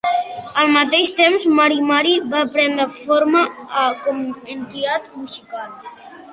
Al mateix temps, Mary Mary va prendre forma com a entitat musical.